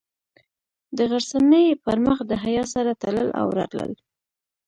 د غرڅنۍ پر مخ د حیا سره تلل او راتلل.